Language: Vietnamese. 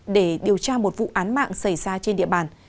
để điều tra một vụ án mạng xảy ra trên địa bàn